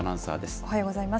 おはようございます。